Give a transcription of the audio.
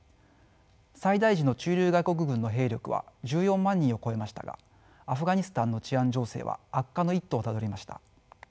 最大時の駐留外国軍の兵力は１４万人を超えましたがアフガニスタンの治安情勢は悪化の一途をたどりました。